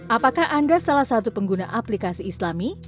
apakah anda salah satu pengguna aplikasi islami